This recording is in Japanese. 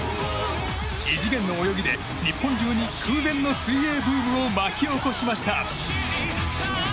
異次元の泳ぎで日本中に空前の水泳ブームを巻き起こしました。